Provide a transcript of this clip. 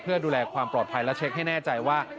เพื่อดูแลความปลอดภัยและเช็คให้แน่ใจว่า